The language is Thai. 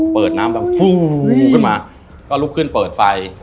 เปิดน้ำดังฟูขึ้นมาก็ลุกขึ้นเปิดไฟ